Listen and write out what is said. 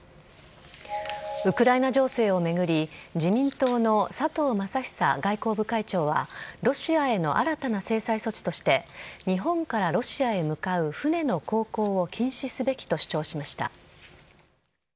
ウクライナ情勢を巡り、自民党の佐藤正久外交部会長は、ロシアへの新たな制裁措置として、日本からロシアへ向かう船の航行を禁止すべきと主張しました。